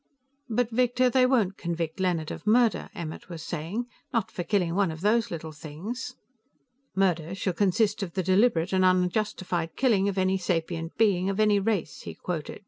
"But, Victor, they won't convict Leonard of murder," Emmert was saying. "Not for killing one of those little things." "'Murder shall consist of the deliberate and unjustified killing of any sapient being, of any race,'" he quoted.